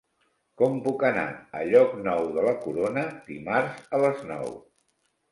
Com puc anar a Llocnou de la Corona dimarts a les nou?